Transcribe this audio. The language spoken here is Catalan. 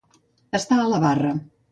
Estar a la barra.